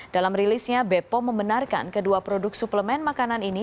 dalam rilisnya bepom membenarkan kedua produk suplemen makanan ini